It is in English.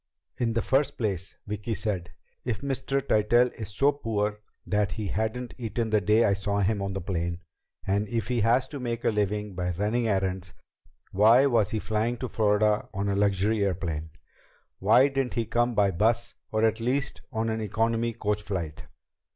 "In the first place," Vicki said, "if Mr. Tytell is so poor that he hadn't eaten the day I saw him on the plane, and if he has to make a living by running errands, why was he flying to Florida on a luxury airplane? Why didn't he come by bus, or at least on an economy coach flight?"